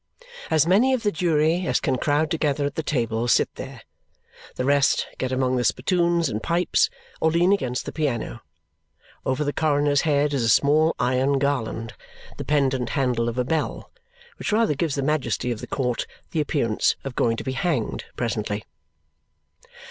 As many of the jury as can crowd together at the table sit there. The rest get among the spittoons and pipes or lean against the piano. Over the coroner's head is a small iron garland, the pendant handle of a bell, which rather gives the majesty of the court the appearance of going to be hanged presently.